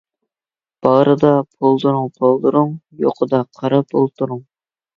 بارىدا پولدۇرۇڭ - پولدۇرۇڭ، يوقىدا قاراپ ئولتۇرۇڭ.